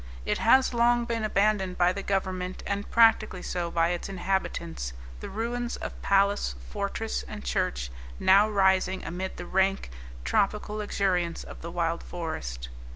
It has long been abandoned by the government, and practically so by its inhabitants, the ruins of palace, fortress, and church now rising amid the rank tropical luxuriance of the wild forest.